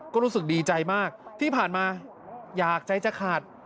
ก็รู้สึกดีใจมากที่ผ่านมาอยากใจจะขาด